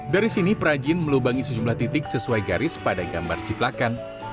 dari sini perajin melubangi sejumlah titik sesuai garis pada gambar ciplakan